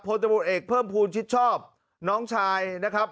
ตำรวจเอกเพิ่มภูมิชิดชอบน้องชายนะครับ